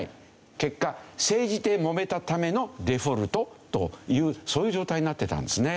結果政治でもめたためのデフォルトというそういう状態になってたんですね。